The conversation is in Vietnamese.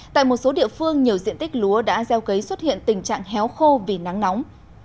tại một số địa phương nhiều diện tích lúa đã gieo cấy xuất hiện tình trạng héo khô vì nắng nóng